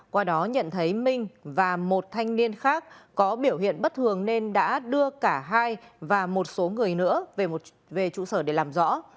qua đó nhận thấy minh và một thanh niên khác có biểu hiện bất thường nên đã đưa cả hai và một số người nữa về trụ sở để làm rõ